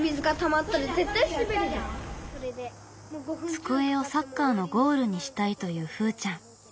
机をサッカーのゴールにしたいというふーちゃん。